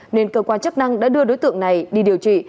nên cơ quan chức năng đã đưa đối tượng này đi điều trị